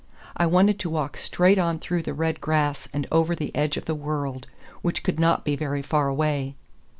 I wanted to walk straight on through the red grass and over the edge of the world, which could not be very far away.